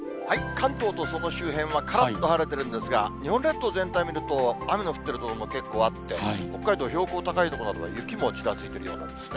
関東とその周辺はからっと晴れているんですが、日本列島全体を見ると、雨の降ってるとこも結構あって、北海道、標高高い所などは雪もちらついているようなんですね。